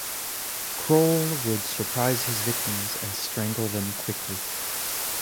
Kroll would surprise his victims and strangle them quickly.